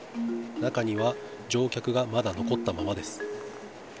中には乗客がまだ残ったままです。